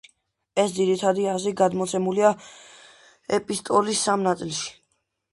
ეს ძირითადი აზრი გადმოცემულია ეპისტოლის სამ ნაწილში.